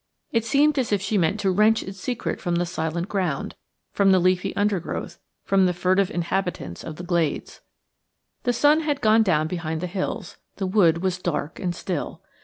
It seemed as if she meant to wrench its secret from the silent ground, from the leafy undergrowth, from the furtive inhabitants of the glades. The sun had gone down behind the hills; the wood was dark and still.